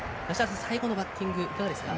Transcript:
最後のバッティングどうですか。